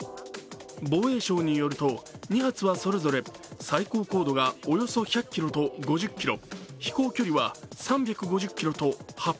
防衛省によると２発はそれぞれ最高高度がおよそ１００ｋｍと５０ｋｍ、飛行距離は３５０ｋｍと、８００ｋｍです。